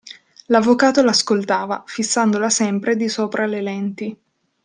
L'avvocato l'ascoltava, fissandola sempre di sopra alle lenti.